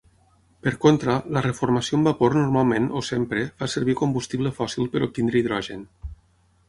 Per contra, la reformació amb vapor normalment, o sempre, fa servir combustible fòssil per obtenir hidrogen.